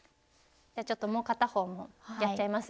ちょっともう片方もやっちゃいます？